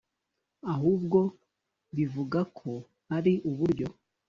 ahubwo bivuga ko ari urubyaro